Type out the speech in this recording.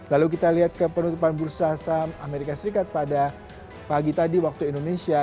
lalu kita lihat ke penutupan bursa saham amerika serikat pada pagi tadi waktu indonesia